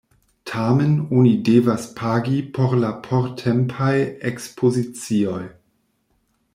Tamen oni devas pagi por la portempaj ekspozicioj.